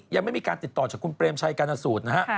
ยังไม่มีการติดต่อจากคุณเปรมชัยการสูตรนะฮะ